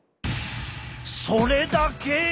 それだけ！？